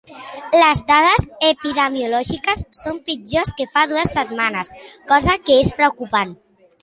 Les dades epidemiològiques són pitjors que fa dues setmanes, cosa que és preocupant.